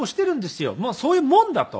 もうそういうもんだと。